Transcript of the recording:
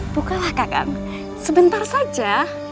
bukalah kakak sebentar saja